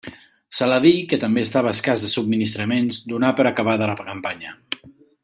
Saladí, que també estava escàs de subministraments donà per acabada la campanya.